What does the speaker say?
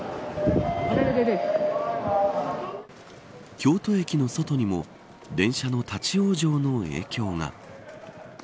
京都駅の外にも電車の立ち往生の影響が。